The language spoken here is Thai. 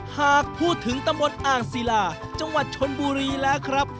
หากพูดถึงตำบลอ่างศิลาจังหวัดชนบุรีแล้วครับ